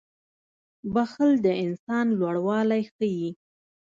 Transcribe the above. • بښل د انسان لوړوالی ښيي.